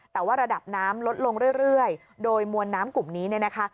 แต่ว่าระดับน้ำลดลงเรื่อยโดยมวลน้ำกลุ่มนี้เนี่ยนะคะ